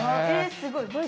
えすごい。